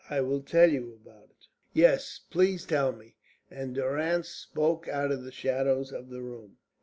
I will tell you about it." "Yes, please, tell me." And Durrance spoke out of the shadows of the room.